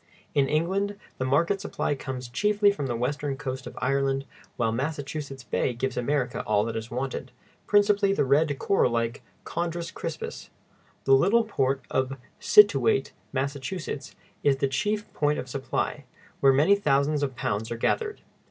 In England the market supply comes chiefly from the western coast of Ireland, while Massachusetts Bay gives America all that is wanted, principally the red, coral like Chondrus crispus. The little port of Scituate, Massachusetts, is the chief point of supply, where many thousands of pounds are gathered.